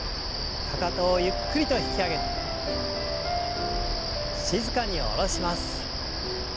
かかとをゆっくりと引き上げて静かに下ろします。